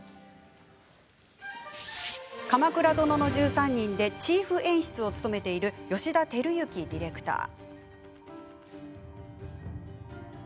「鎌倉殿の１３人」でチーフ演出を務めている吉田照幸ディレクター。